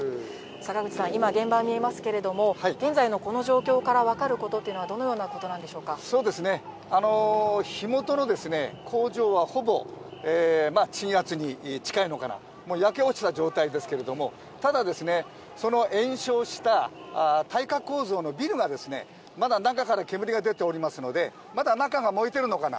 坂口さん、今、現場にいますけれども、現在のこの状況から分かることというのはどのようなことなんでしそうですね、火元の工場はほぼ鎮圧に近いのかな、焼け落ちた状態ですけれども、ただ、その延焼した耐火構造のビルが、まだ中から煙が出ておりますので、まだ中が燃えてるのかな。